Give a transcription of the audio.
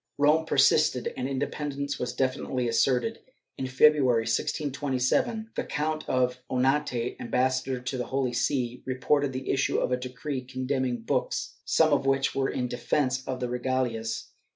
^ Rome persisted, and independence was definitely asserted. In February, 1627, the Count of Onate, ambassador to the Holy See, reported the issue of a decree condemning books, some of which were in defence of the regalias.